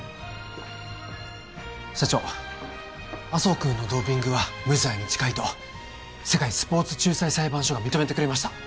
社長麻生君のドーピングは無罪に近いと世界スポーツ仲裁裁判所が認めてくれました